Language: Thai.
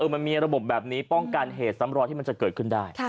มันมีระบบแบบนี้ป้องกันเหตุซ้ำรอยที่มันจะเกิดขึ้นได้